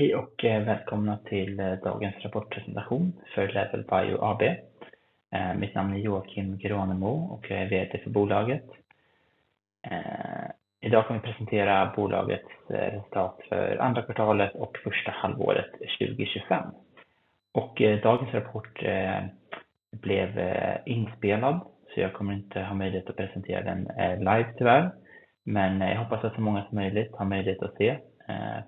Hey. Okay.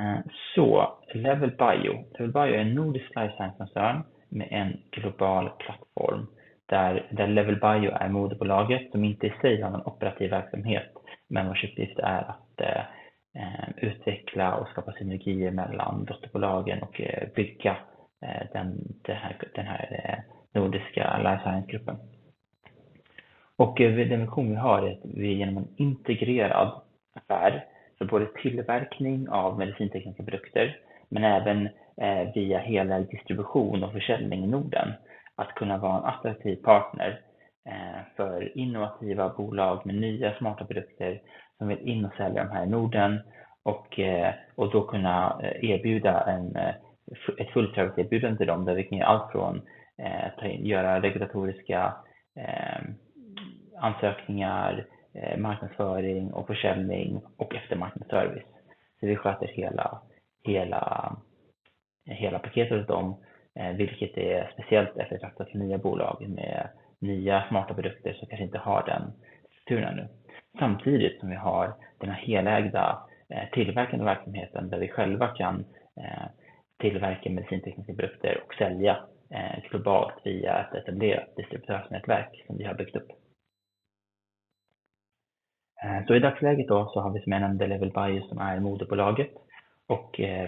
I'm not in the against the. Miss Emily, you are Kim. There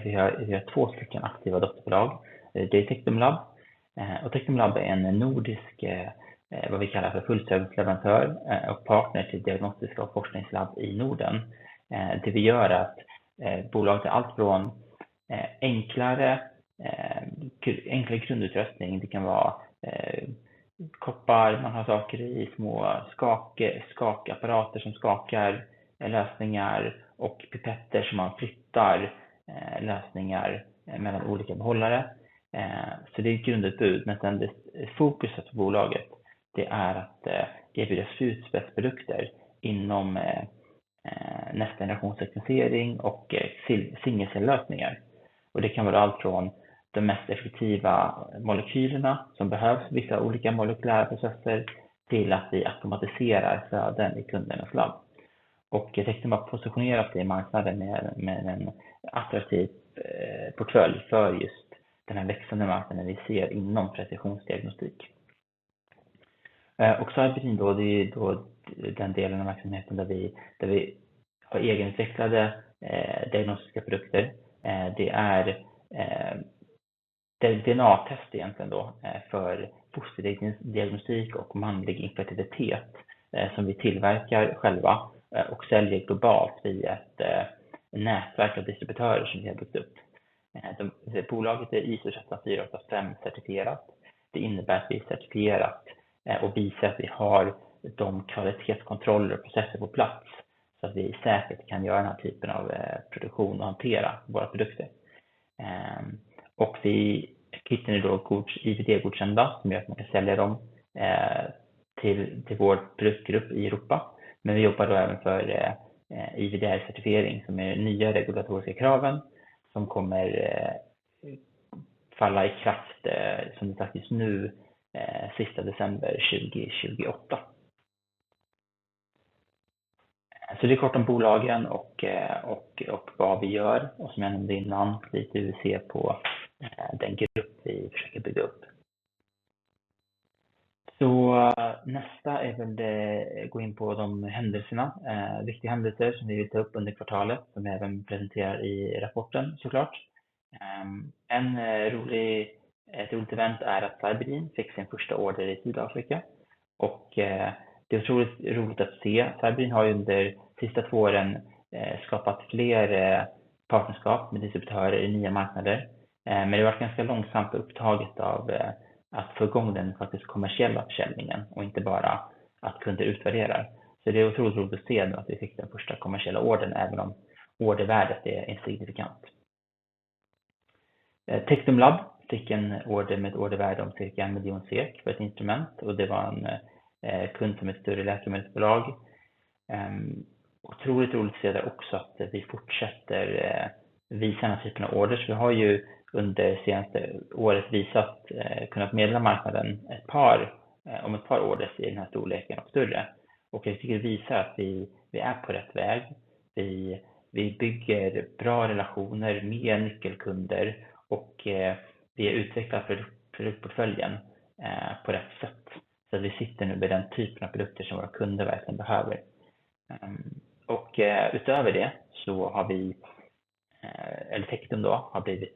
is a bulldog. Okay. So to level by you to value a new design concern platform that the level by you and multiple log in to meet this state on an operative item here.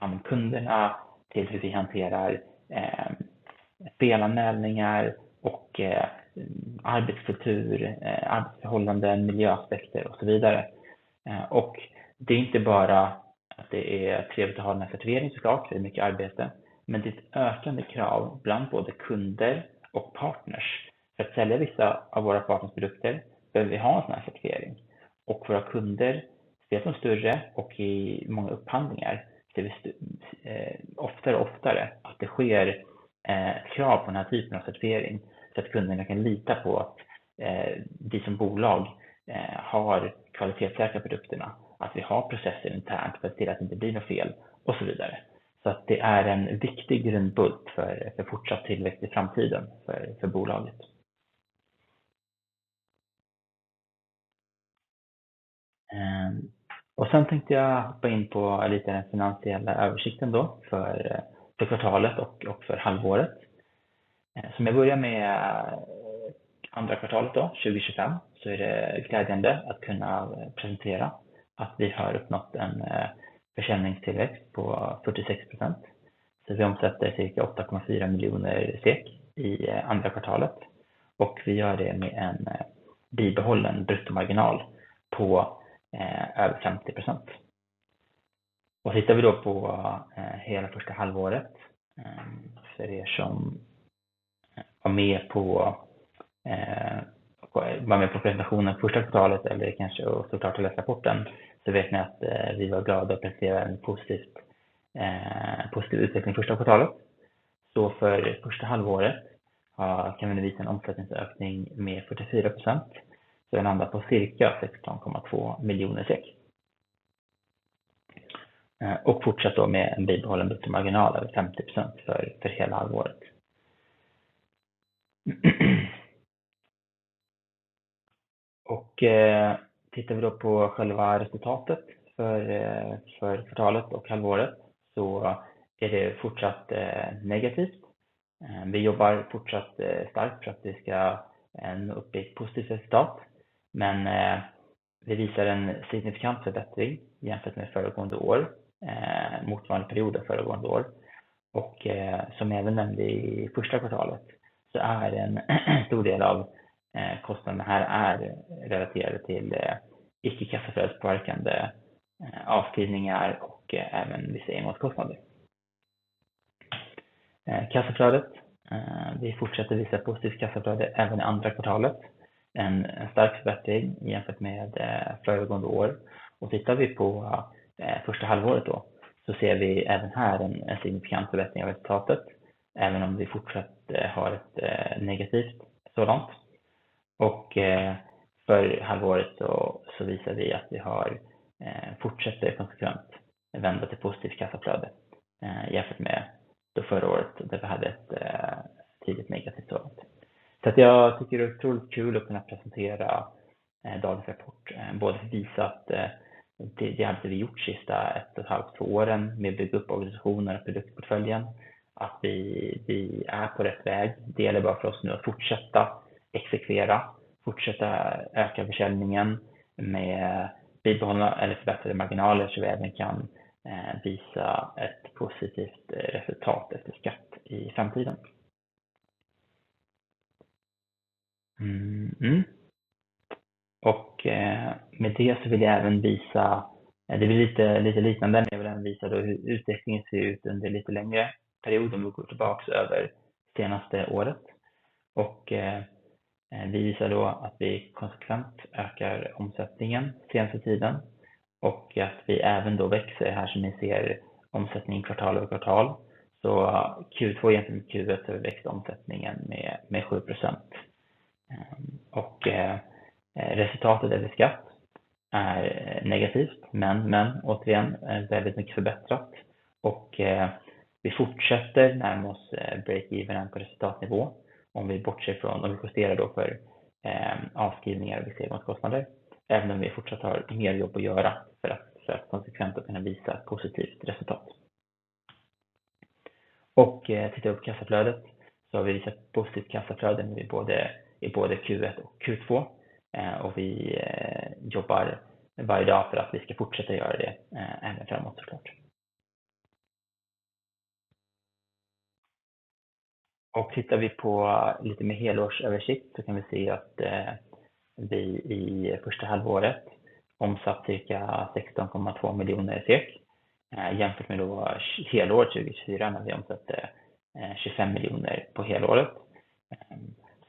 Membership is the Okay. So in that way, we also have this man on the level by multiple log. We are we are at the log. They take them lab. Or take the lab and then no disc where we can have a full term, a partner to diagnose this or fortunate lab in Northern. And to be able to outrun inclada CFO. Thank you. So next time, even the going forward on hand this now. And Take them love. They can order them with order by them. But in to month, we'll they'll run through it all set up that they could check their Okay. So I'll I'll take it on the update it the code to set it here up. Internet and then Ethernet. 70%. Okay. To talk to. So negative. The and, okay, put this and stop. Then maybe send a signal to that thing. Yeah. But my fellow going to work. Okay. So maybe then they pushed up with all it. So I then do the log. And custom had added the activity in there. If you can't first park and the of cleaning out. Okay. And then the same of cost on it. And full check that is supposed to have an unchecked toilet And as I expected, yes, it may have further on the order. So see if we haven't had an acid in cancer that they have a product. And then on the foot cut the heart negative. So don't. Okay. So so they said they have the high and then the positive. Yes. It may defer to the private ticket make up it all. Okay. Okay. Okay. This is top of the discuss. Negative. Okay. Before chest then, I must break even. I'm gonna start the war.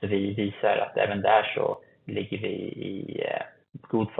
Only book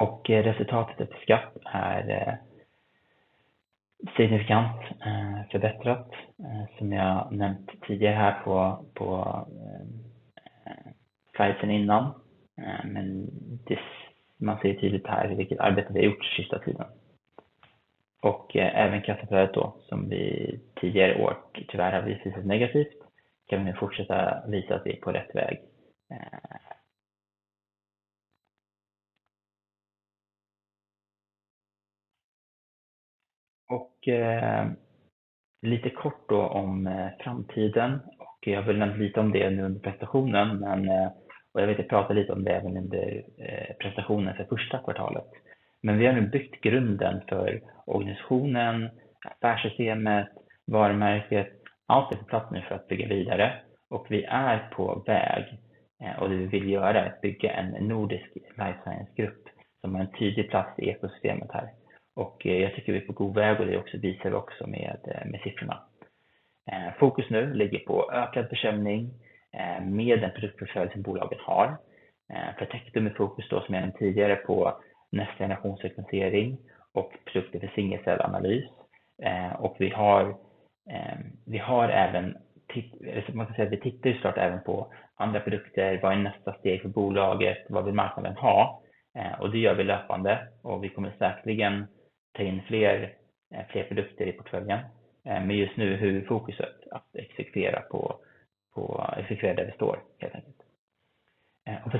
shift from the request here at offer. Okay. So we just posted and we bought the we bought the q four of the job pilot by the after that. Okay. The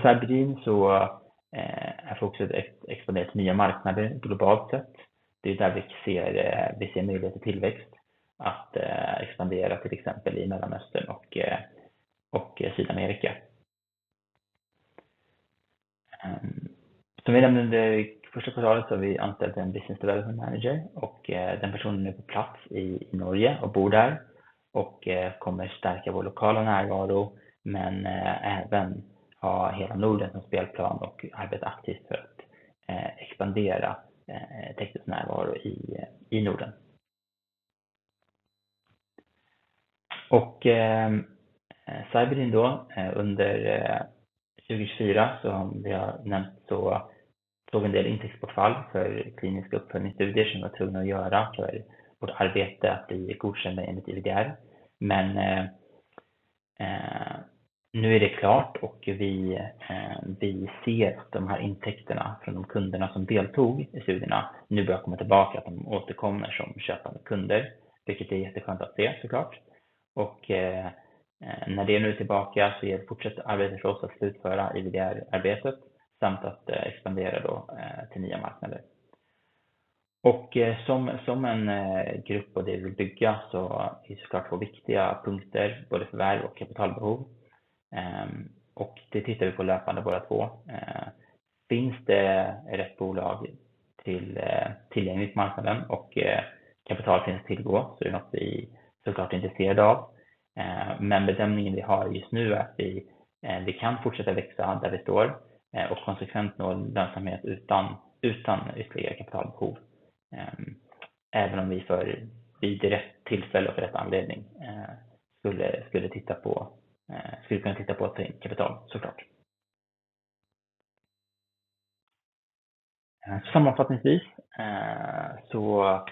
how could the for them to to be hard for them to prefer the hard somewhat. Somewhere That's the top of the shop. The same account to that route. So now I meant to do they have for for Okay. Business development manager. Okay. Things the till till end of month of them. Okay. Capital can still go. So you're not the so got into. Remember them, is new at the and they can push it Alexa on that is stored. Some of that in this. So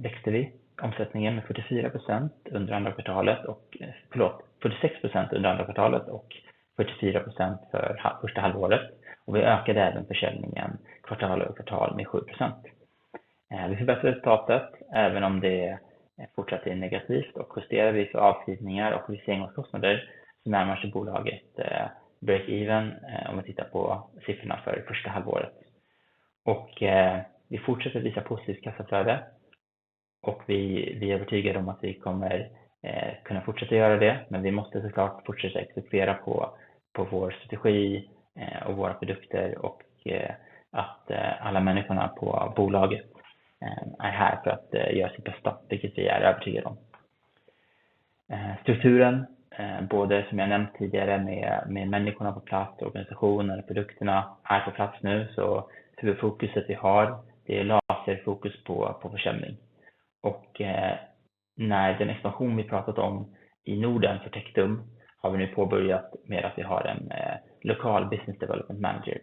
next three, I'm setting in for the 0% and then the dollar. Okay. Float. 46% and then the dollar. Okay. The to be focused at the hard, they lost their focus business development manager.